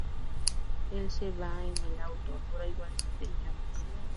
Él se va en el auto, ahora igualmente en llamas.